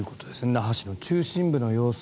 那覇市の中心部の様子